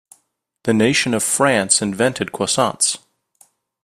The nation of France invented croissants.